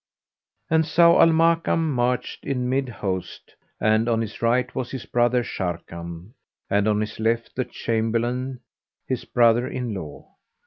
And Zau al Makan marched in mid host and on his right was his brother Sharrkan, and on his left the Chamberlain his brother in law.